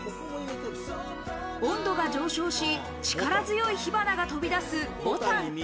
今度は上昇し、力強い火花が飛び出す牡丹。